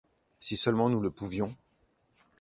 Si seulement nous le pouvions.